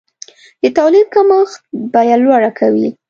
د تولید کمښت بیه لوړه کوي.